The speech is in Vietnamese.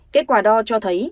kết quả đo cho thấy